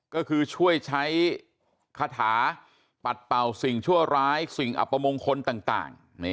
ก็คือช่วยใช้คาถาปัดเป่าสิ่งชั่วร้ายสิ่งอัปมงคลต่าง